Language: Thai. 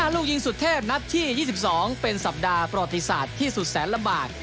ลูกยิงสุดเทพนัดที่๒๒เป็นสัปดาห์ประวัติศาสตร์ที่สุดแสนลำบาก